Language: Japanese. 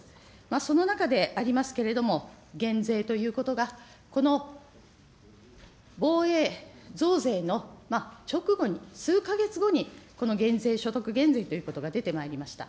その中でありますけれども、減税ということが、この防衛増税の直後に、数か月後にこの減税、所得減税ということが出てまいりました。